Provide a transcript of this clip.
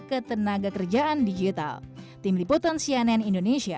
ketenaga kerjaan digital tim liputan cnn indonesia